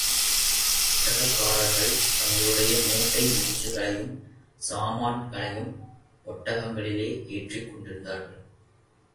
ஒட்டகக் காரர்கள் தங்களுடைய மூட்டை முடிச்சுகளையும் சாமான்களையும் ஒட்டகங்களிலே ஏற்றிக்கொண்டிருந்தார்கள்.